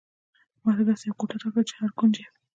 ماته داسې یوه کوټه راکړئ چې هر کونج یې.